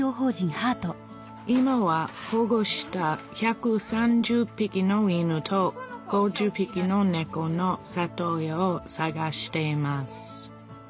今は保護した１３０ぴきの犬と５０ぴきのねこの里親を探しています。